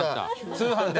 通販で。